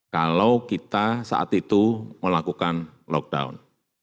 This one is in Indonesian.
kalau kita saat itu melakukan lockdown